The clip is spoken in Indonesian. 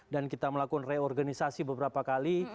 dan kita melakukan reorganisasi beberapa kali